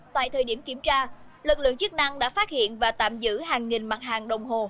tại thời điểm kiểm tra lực lượng chức năng đã phát hiện và tạm giữ hàng nghìn mặt hàng đồng hồ